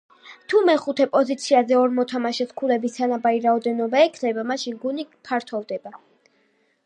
თუ მეხუთე პოზიციაზე ორ მოთამაშეს ქულების თანაბარი რაოდენობა ექნება მაშინ გუნდი ფართოვდება.